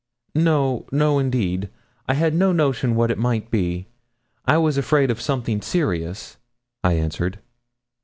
'No, no, indeed. I had no notion what it might be. I was afraid of something serious,' I answered.